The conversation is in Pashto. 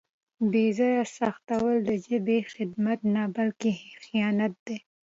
بې ځایه سختول د ژبې خدمت نه بلکې خیانت دی.